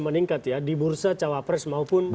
meningkat ya di bursa cawapres maupun